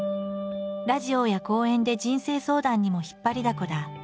ラジオや講演で人生相談にも引っ張りだこだ。